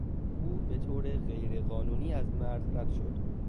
او به طور غیرقانونی از مرز رد شد.